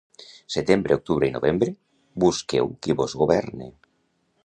Setembre, octubre i novembre, busqueu qui vos governe.